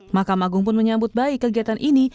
mahkamah agung pun menyambut baik kegiatan ini